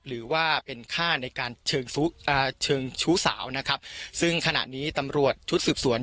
หรือว่าเป็นค่าในการเชิงชู้เชิงชู้สาวนะครับซึ่งขณะนี้ตำรวจชุดสืบสวน